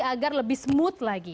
agar lebih smooth